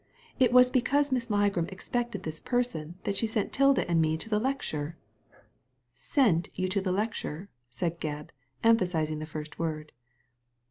It was because Miss Ligram expected this person that she sent 'Tilda and me to the lecture." " Sent you to the lecture 1 " said Gebb, emphasizing the first word.